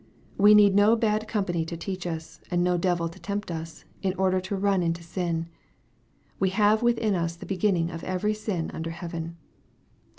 We need no bad company to teach us, and no devil to tempt us, in order to run into sin. We have within us the beginning of every sin under heaven.